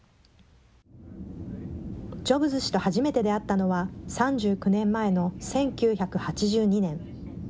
ジョブズ氏と初めて出会ったのは、３９年前の１９８２年。